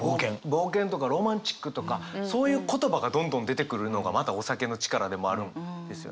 「冒険」とか「ロマンチック」とかそういう言葉がどんどん出てくるのがまたお酒の力でもあるんですよね。